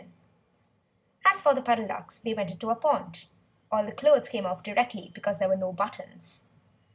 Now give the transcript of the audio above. As for the Puddle Ducks they went into a pond. The clothes all came off directly, because there were no buttons.